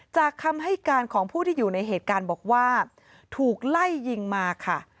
คำให้การของผู้ที่อยู่ในเหตุการณ์บอกว่าถูกไล่ยิงมาค่ะ